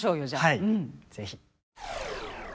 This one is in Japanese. はい是非。